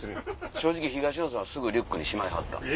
正直東野さんはすぐリュックにしまいはった。